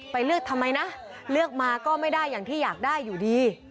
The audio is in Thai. เลือกทำไมนะเลือกมาก็ไม่ได้อย่างที่อยากได้อยู่ดี